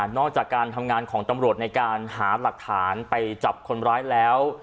จากการทำงานของตำรวจในการหาหลักฐานไปจับคนร้ายแล้ว